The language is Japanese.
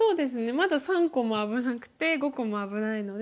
まだ３個も危なくて５個も危ないので。